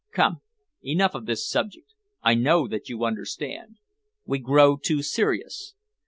Come, enough of this subject. I know that you understand. We grow too serious.